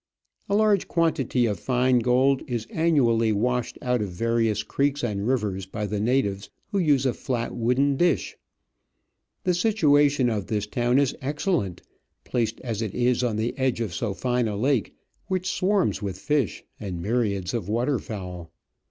A large quantity of fine gold is annually washed out of various creeks and rivers by the natives, who use a flat wooden dish. The situation of this town is excellent, placed as it is on the edge of so Digitized by VjOOQIC OF AN Orchid Hunter. 17.5 fine a lake, which swarms with fish and myriads of water fowl.